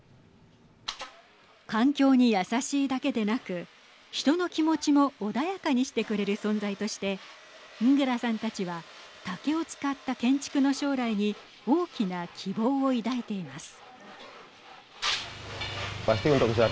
環境に優しいだけでなく人の気持ちも穏やかにしてくれる存在としてングラさんたちは竹を使った建築の将来に大きな希望を抱いています。